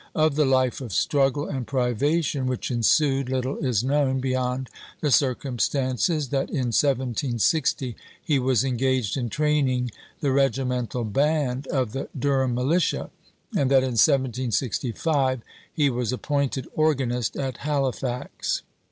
Of the life of struggle and privation which ensued little is known beyond the circumstances that in 1760 he was engaged in training the regimental band of the Durham Militia, and that in 1765 he was appointed organist at Halifax.